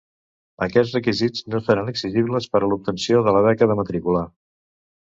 Aquests requisits no seran exigibles per a l'obtenció de la beca de matrícula.